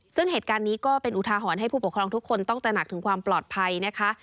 ซึ่งเหตุการณ์นี้ก็เป็นอุทาหรณ์ให้ผู้ปกครองทุกคนต้องตระหนักถึงความปลอดภัยนะคะ